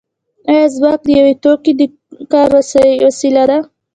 آیا ځواک د یو توکي د کار وسیله ده